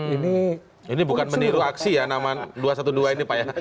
ini bukan meniru aksi ya nama dua ratus dua belas ini pak ya